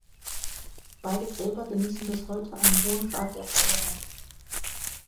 Beide Gräber genießen bis heute einen hohen Grad der Verehrung.